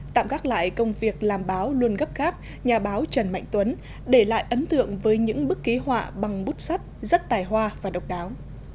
tạm gác lại công việc làm báo luôn gấp gáp nhà báo trần mạnh tuấn để lại ấn tượng với những bức ký họa bằng bút sắt rất tài hoa và độc đáo